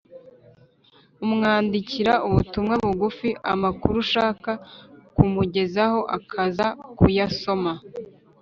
umwandikira ubutumwa bugufi, amakuru ushaka kumugezaho akaza kuyasoma